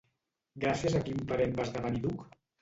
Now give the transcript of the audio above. Gràcies a quin parent va esdevenir duc?